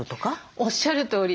おっしゃるとおり。